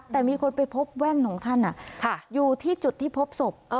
แต่มีคนไปพบแว่นของท่านอยู่ที่จุดที่พบศพ